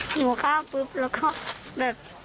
หนูข้ามปุ๊บแล้วก็แบบ